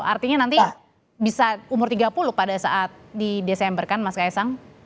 artinya nanti bisa umur tiga puluh pada saat di desember kan mas kaisang